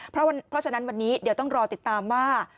เพราะฉะนั้นวันนี้เดี๋ยวต้องรอติดตามว่า